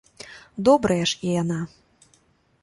Добрая ж і яна!